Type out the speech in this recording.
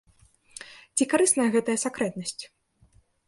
Ці карысная гэтая сакрэтнасць?